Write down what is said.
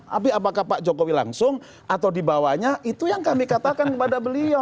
tapi apakah pak jokowi langsung atau dibawahnya itu yang kami katakan kepada beliau